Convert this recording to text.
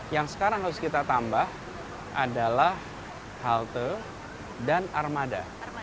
yang sekarang harus kita tambah adalah halte dan armada